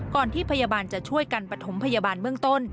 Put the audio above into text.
ที่พยาบาลจะช่วยกันปฐมพยาบาลเบื้องต้น